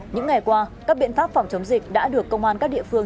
những ngày qua các biện pháp phòng chống dịch đã được công an các địa phương